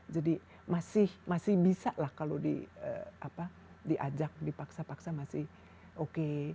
jadi masih bisa lah kalau diajak dipaksa paksa masih oke